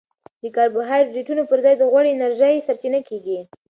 د کاربوهایډریټونو پر ځای غوړي د انرژي سرچینه کېږي.